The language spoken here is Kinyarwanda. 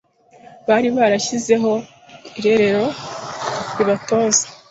bari barashyizeho irerero ribatoza